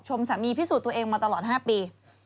สามีพิสูจน์ตัวเองมาตลอด๕ปี